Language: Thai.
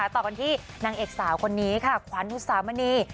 ต่อกันที่นางเอกสาวคนนี้ค่ะขวัญอุตสามณี